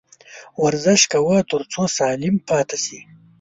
ورزش کوه ، تر څو سالم پاته سې